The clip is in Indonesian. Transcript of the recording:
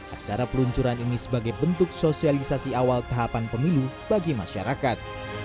acara peluncuran ini sebagai bentuk sosialisasi awal tahapan pemilu bagi masyarakat